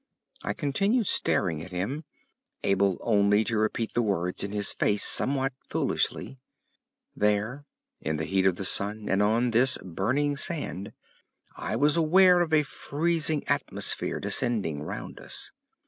I continued staring at him, able only to repeat the words in his face somewhat foolishly. There, in the heat of the sun, and on this burning sand, I was aware of a freezing atmosphere descending round us.